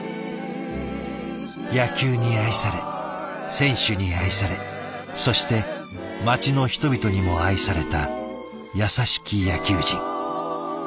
野球に愛され選手に愛されそして町の人々にも愛された優しき野球人。